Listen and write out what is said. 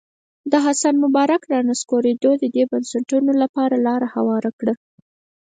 د حسن مبارک رانسکورېدو د دې بنسټونو لپاره لاره هواره کړه.